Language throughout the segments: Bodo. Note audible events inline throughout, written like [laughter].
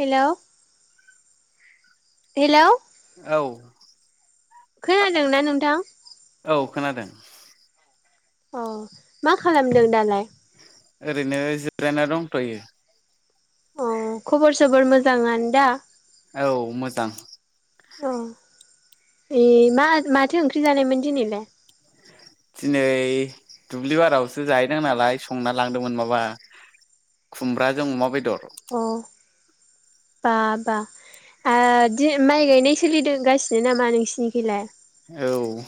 हेलै हेल' औ खोनादोंना नोंथां? औ खोनादों। अ मा खालामदों दालाय? ओरैनो जिरायना दंथ'यो ‌। अ खबर सबर मोजांङानो दा? औ मोजां। अ ए मा माथो ओंख्रि जानायमोन दिनैलाय? दिनै दुब्लि बारियावसो जाहैदों नालाय संना लांदोंमोन माबा खुमब्राजों अमा बेदर। अ बा बा। ओ दिनै माइ गायनाय सोलिदोंगासिनो नामा नोंसिनिखैलाय? औ।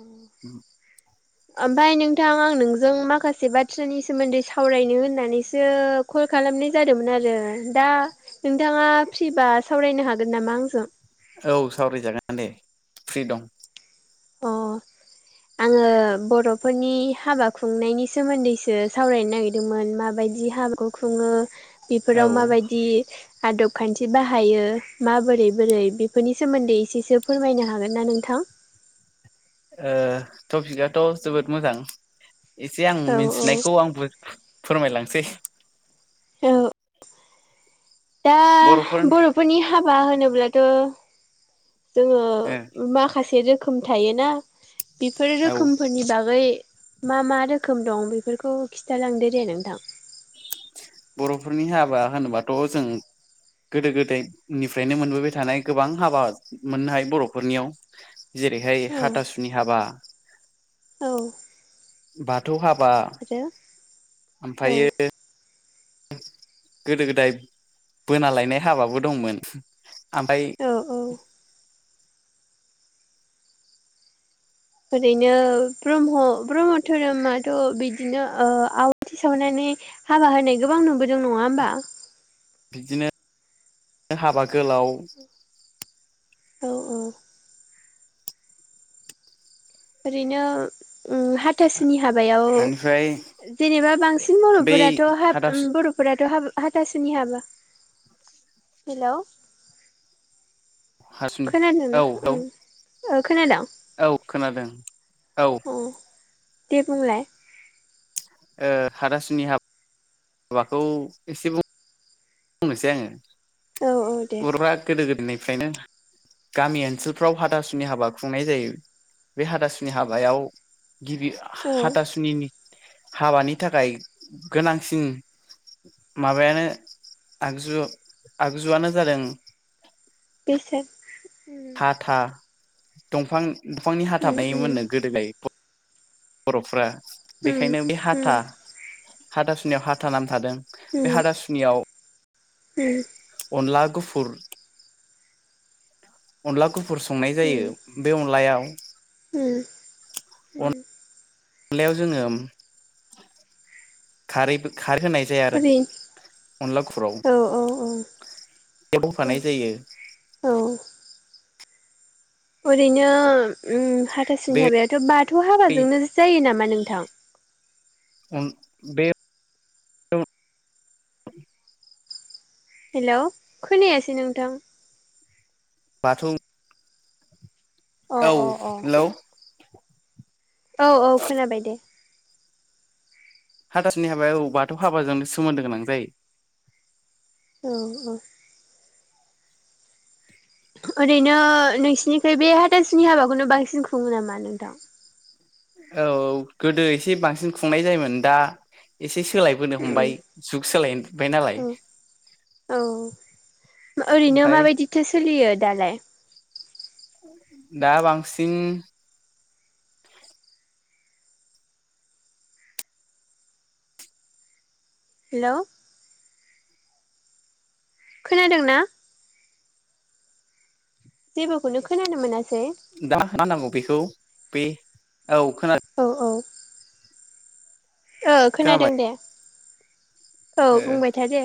अह। ओमफाय नोंथां आं नोंजों माखासे बाथ्रानि सोमोन्दै सावरायनो होननानैसो क ल खालामनाय जादोंमोन आरो दा नोंथांङा फ्रिबा सावरायनो हागोन नामा आंजों? औ सावरायजागोन दे फ्रि दं। अह। आङो बर'फोरनि हाबा खुंनायनि सोमोन्दैसो सावरायनो नागिरदोंमोन माबाय दि हाबाखौ खुङो औ बेफोराव ओ माबायदि आदब खान्थि बाहायो माबोरै बोरै बेफोरनि सोमोन्दै एसेसो फोरमायनो हागोन ना नोंथां? ओ टपिकआथ' जोबोद मोजां। एसे आं औ मिथिनायखौ आंबो फोरमायलांसै। औ दा बर'फोर बर'फोरनि हाबा होनोब्लाथ' जोङो माखासे रोखोम थायोना बिफोर औ रोखोमफोरनि बागै मा मा रोखोम दं बेफोरखौ खिथालांदो दे नोंथां। बर'फोरनि हाबा होनोबाथ' जों गोदो गोदायनिफ्रायनो मोनबोबाय थानाय गोबां हाबा मोननो हायो बर'फोरनियाव जेरैहाय औ हाथासुनि हाबा औ बाथौ हा बा आरो औ ओमफायो गोदो गोदाय बोना लायनाय हाबाबो दंमोन। आमफाय औ औ ओरैनो ब्रह्म ब्रह्म धोरोमाथ' बिदिनो ओ आवाथि सावनानै हाबा होनाय गोबां नुबोदों नङा होमबा? बिदिनो हाबा गोलाव औ औ ओरैनो उम हाथासुनि हाबायाव बेनिफ्राय जेनेबा बांसिन बै बर'फोराथ' हाब उम हाथासु बर'फोराथ' हाब हाथा सुनि हाबा, हेल'? हासुनि खोनादोंना औ ओं औ ओ खोनादोंं? औ खोनादों औ। अ दे बुंलाय। ओ हादासुनि हाबाखौ एसे बुं नोसै आङो, औ औ दे बर'फ्रा गोदो गोदोनिफ्रायनो गामि ओनसोलफ्राव हाथासुनि हाबा खुंनाय जायो बे हाथासुनि हाबायाव गिबि औ हाथासुनिनि हाबानि थाखाय गोनांसिन माबायानो आगजु आगजुआनो जादों बेसाद हाथा दंफां दंफांनि हाथा उम बानायोमोननो उम गोदोलाय बर'फ्रा उम बेखायनो बे हाथा उम हाथा सुनियाव हाथा नाम थादों। बे हाथासुनियाव उम अनला गुफुर अनला गुफुर संनाय उम जायो बे अनलायाव उम उम। अनलायाव जोङो खारैबो खार होनाय जाया आरो ओरै अनला गुफुराव औ औ औ औ [unintelligible] जायो औ ओरैनो उम हाथाासनि बे हाबायाथ' बाथौ हाबाजोंनो जायो नामा नोंथां? बे औ हेल' खोनायासै नोंथां बाथौ अ औ अ अ हेल' औ औ खोनाबाय दे हाथासुनि हाबायाव बौ बाथौ हाबाजोंनो सोमोन्दो गोनां जायो। औ औ ओरैनो नोंसिनिखै बे हाथासुनि हाबाखौनो बांसिन खुङो नामा नोंथां? औ गोदो एसे बांसिन खुंनाय जायोमोन दा एसे सोलायबोनो हमबाय उम जुग सोलायबाय नालाय औ ओरैनो ओमफ्राय माबायदिथो सोलियो दालाय दा बांसिन हेलौ खोनादों ना? जेबोखौनो खोनानो मोना दा मा होननांगौ बेखौ बे औ खोनादों औ औ खोनादों खोनाबाय दे औ ओ बुंबाय था दे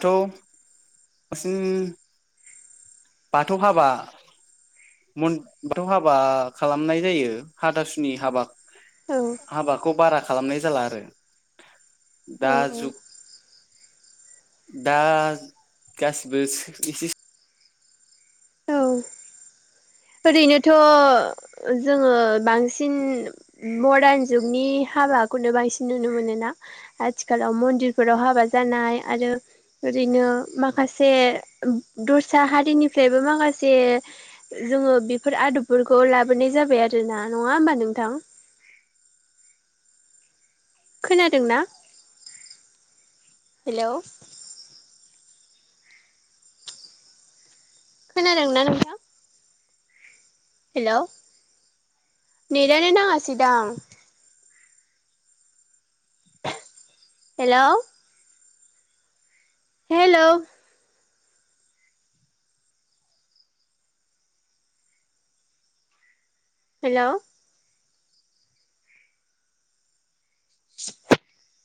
[unintelligible] बाथौ हाबा मोन बाथौ हाबा खालामनाय जायो हाथासुनि हाबा औ हाबाखौ बारा खालामनाय जाला आरो दा औ औ जुग दा गासैबो [unintelligible] औ ओरैनोथ जोङो बांसिन मर्डार जुगनि हाबाखौनो बांसिन नुनो मोनो ना आथिखालाव मन्दिरफोराव हाबा जानाय आरो ओरैनो माखासे दस्रा हारिनिफ्रायबो माखासे जोङो बेफोर आदबफोरखौ लाबोनाय जाबाय आरो ना नङा होमबा नोंथां [inaudible] खोनादोंना? हेलौ खोनादोंना नोंथां हेलौ नेटानो नांहासै दां हेलौ हेलौ हेलौ [unintelligible]